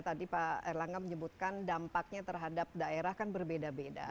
tadi pak erlangga menyebutkan dampaknya terhadap daerah kan berbeda beda